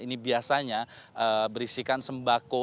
ini biasanya berisikan sembako